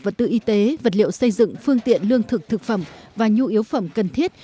vật tư y tế vật liệu xây dựng phương tiện lương thực thực phẩm và nhu yếu phẩm cần thiết